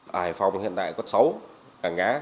hải phòng hiện tại có sáu cảng cá